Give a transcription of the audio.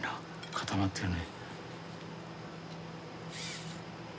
固まってるね。